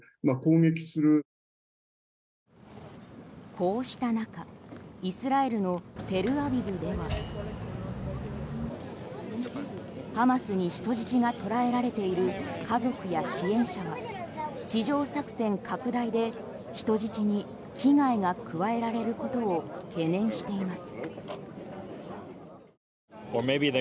こうした中イスラエルのテルアビブではハマスに人質が捉えられている家族や支援者は地上作戦拡大で人質に危害が加えられることを懸念しています。